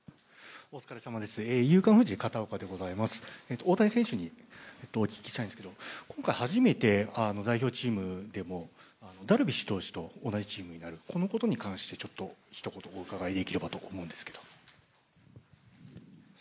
大谷選手にお聞きしたいんですけど、今回初めて代表チームで、ダルビッシュ投手と同じチームになるこのことに関してひと言お伺いできればと思うんですけど。